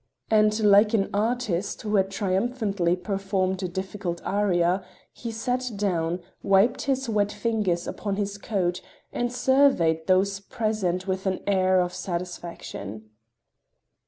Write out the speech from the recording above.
And, like an artist who had triumphantly performed a difficult aria, he sat down, wiped his wet fingers upon his coat, and surveyed those present with an air of satisfaction.